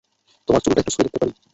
তোমার চুলটা একটু ছুঁয়ে দেখতে পারি?